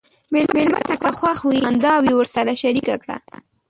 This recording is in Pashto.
مېلمه ته که خوښ وي، خنداوې ورسره شریکه کړه.